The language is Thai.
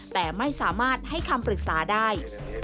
แต่ไม่สามารถให้คำปรึกษาได้